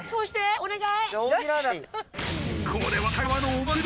お願い。